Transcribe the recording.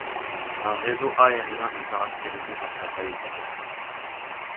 Un réseau aérien est caractérisé par sa taille et sa densité.